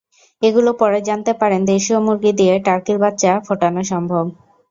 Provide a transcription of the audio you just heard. এগুলো পড়ে জানতে পারেন, দেশীয় মুরগি দিয়ে টার্কির বাচ্চা ফোটানো সম্ভব।